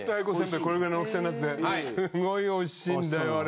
これくらいの大きさのやつですごい美味しいんだよあれ。